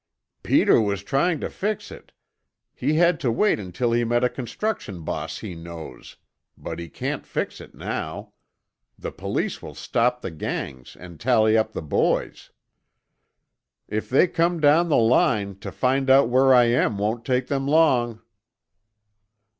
"Peter was trying to fix it; he had to wait until he met a construction boss he knows; but he can't fix it now. The police will stop the gangs and tally up the boys." "If they come down the line, to find out where I am won't take them long."